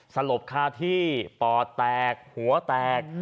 สลบคาที่ปอดแตกหัวแตก